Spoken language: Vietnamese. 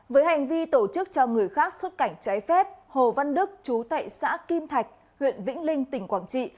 với hành vi tổ chức cho người khác xuất cảnh trái phép hồ văn đức chú tại xã kim thạch huyện vĩnh linh tỉnh quảng trị